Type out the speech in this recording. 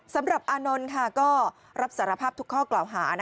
สำหรับอานนท์ก็รับสารภาพทุกข้อกราวหา